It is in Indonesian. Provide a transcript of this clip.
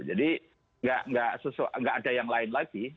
jadi nggak ada yang lain lagi